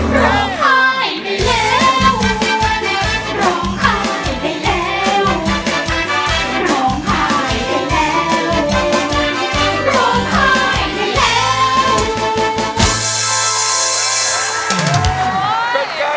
ร้องไห้ไปแล้ว